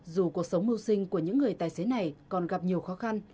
dù cuộc sống mưu sinh của những người tài xế này còn gặp nhiều khó khăn